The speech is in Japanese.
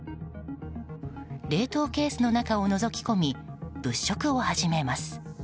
冷凍ケースの中をのぞき込み物色を始めます。